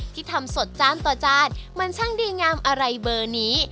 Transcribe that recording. ที่ทำสดจานต่อจานมันช่างดีงามอะไรเบอร์นี้